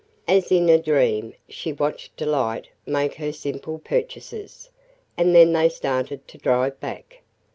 As in a dream, she watched Delight make her simple purchases, and then they started to drive back.